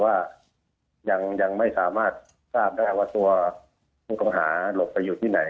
ว่ายังไม่สามารถทราบได้ว่าตัวผู้ต้องหาหลบไปอยู่ที่ไหน